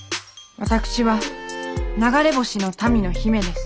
私は流れ星の民の姫です。